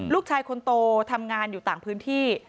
ลูกชายคนโตทำงานอยู่ต่างพื้นที่